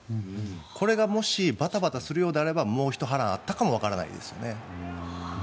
これがもしバタバタするようであればもうひと波乱あったかもしれないですね。